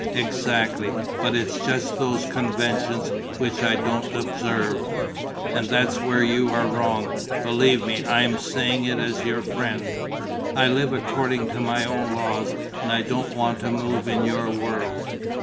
"Exactly; but it's just those conventions which I don't observe." "And that's where you are wrong. Believe me, I am saying it as your friend." "I live according to my own laws and I don't want to move in your world."